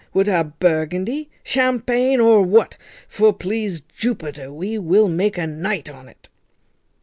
Wut ha Burgundy, Champaigne, or what? for, please Jupiter, we'll make a night on't."